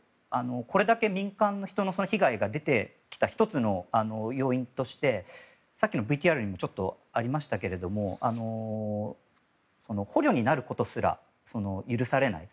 これだけ民間の人の被害が出てきた１つの要因としてさっきのＶＴＲにもありましたけど捕虜になることすら許されない。